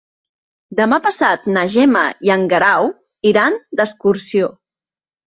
Demà passat na Gemma i en Guerau iran d'excursió.